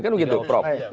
kan begitu prof